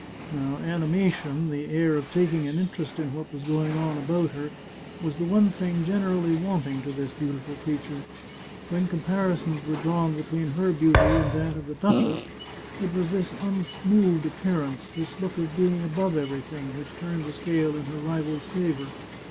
Now animation, the air of taking an interest in what was going on about her, was the one thing generally wanting to this beautiful creature. When comparisons were drawn be tween her beauty and that of the duchess, it was this un moved appearance, this look of being above everything, which turned the scale in her rival's favour.